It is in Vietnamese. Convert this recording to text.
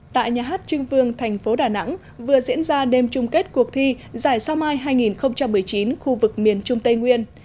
tại nhà hát trưng vương thành phố đà nẵng vừa diễn ra đêm chung kết cuộc thi giải sao mai hai nghìn một mươi chín khu vực miền trung tây nguyên